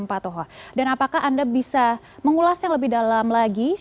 baik pak toho tadi menyebut beberapa kali siapapun yang terlibat harus dihukum